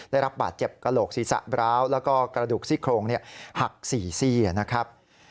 ได้รับบาดเจ็บกระโหลกศีรษะบร้าวแล้วก็กระดูกซี่โครงหัก๔ซี่นะครับ